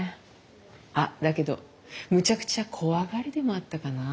あっだけどむちゃくちゃ怖がりでもあったかな。